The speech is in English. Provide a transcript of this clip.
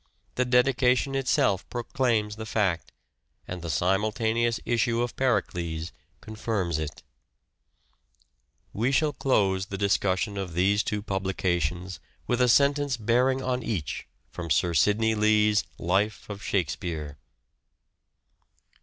The dedication itself proclaims the fact, and the simultaneous issue of " Pericles " confirms it. 420 "SHAKESPEARE' IDENTIFIED We shall close the discussion of these two publica tions with a sentence bearing on each from Sir Sidney Lee's Life of Shakespeare.